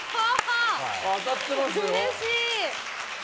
うれしい！